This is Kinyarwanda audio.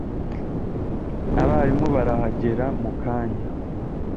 Abarimu barahagera mukanya